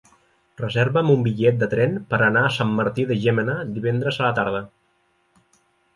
Reserva'm un bitllet de tren per anar a Sant Martí de Llémena divendres a la tarda.